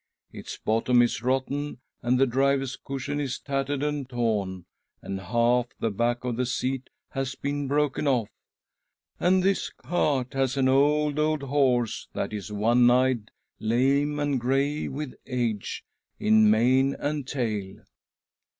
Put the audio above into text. Its bottom is rotten, and the driver's cushion is tattered and torn, and half : the back of the seat has been broken off. And' this' cart has an old, old horse that is one eyed, lame, and grey with age in mane and tail.